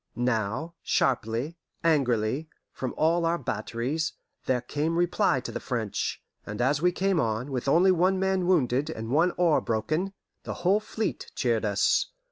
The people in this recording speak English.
Now, sharply, angrily, from all our batteries, there came reply to the French; and as we came on with only one man wounded and one oar broken, the whole fleet cheered us.